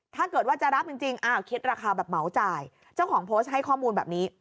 ถ้าเกิดว่าจะรับจริงอ้าวคิดราคาแบบเหมาจ่ายเจ้าของโพสต์ให้ข้อมูลแบบนี้